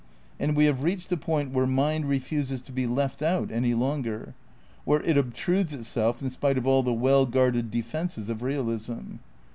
And we have reached the point where mind re fuses to be left out any longer, where it obtrudes itself in spite of all the well guarded defences of realism.